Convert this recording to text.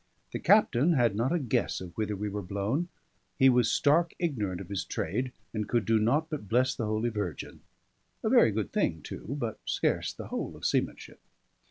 The captain had not a guess of whither we were blown; he was stark ignorant of his trade, and could do naught but bless the Holy Virgin; a very good thing too, but scarce the whole of seamanship.